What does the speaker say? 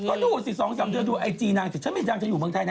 ก็ดูสิ๒๓เดือนดูไอจีนางสิฉันไม่ดังเธออยู่เมืองไทยนะ